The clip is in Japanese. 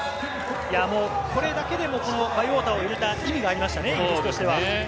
これだけでもバイウォーターを入れた意味がありましたね、イギリスとしては。